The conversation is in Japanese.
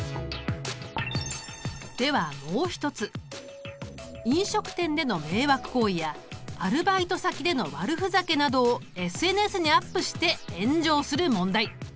ではもう一つ飲食店での迷惑行為やアルバイト先での悪ふざけなどをＳＮＳにアップして炎上する問題。